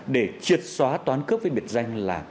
để triệt xóa toán cướp với biệt danh là